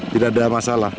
tidak ada masalah